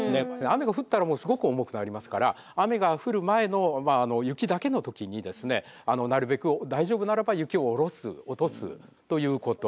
雨が降ったらすごく重くなりますから雨が降る前の雪だけの時にですねなるべく大丈夫ならば雪を下ろす落とすということ。